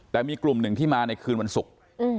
แต่มีกลุ่มหนึ่งที่มาในคืนวันศุกร์